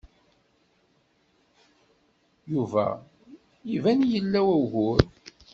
Yuba iban ila ugur.